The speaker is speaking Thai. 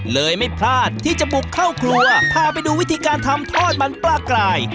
ไม่พลาดที่จะบุกเข้าครัวพาไปดูวิธีการทำทอดมันปลากราย